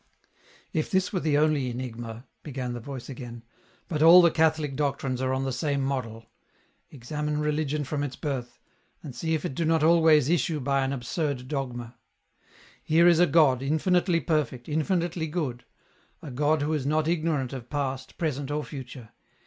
" If this were the only enigma," began the voice again, "but aJl the Catholic doctrines are on the same model ; examine religion from its birth, and see if it do not always issue by an absurd dogma. " Here is a God, infinitely perfect, infinitely good, a God who is not ignorant of past, present, or future.